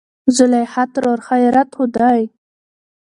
زليخاترور : خېرت خو دى.